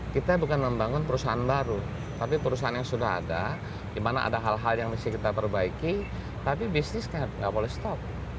kita bukan membangun perusahaan baru tapi perusahaan yang sudah ada di mana ada hal hal yang mesti kita perbaiki tapi bisnisnya nggak boleh stop